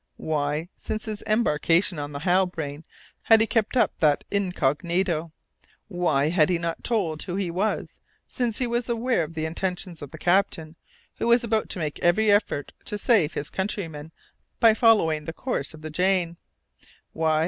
Why, since his embarkation on the Halbrane, had he kept up that incognito? Why had he not told who he was, since he was aware of the intentions of the captain, who was about to make every effort to save his countrymen by following the course of the Jane? Why?